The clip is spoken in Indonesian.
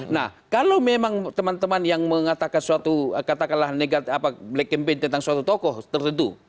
nah kalau memang teman teman yang mengatakan suatu katakanlah black campaign tentang suatu tokoh tertentu